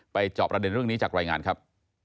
จอบประเด็นเรื่องนี้จากรายงานครับ